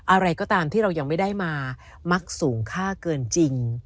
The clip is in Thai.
อะไรก็ตามที่เรายังไม่ได้มามักสูงค่าเกินจริง